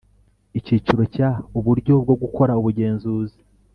Icyiciro cya Uburyo bwo gukora ubugenzuzi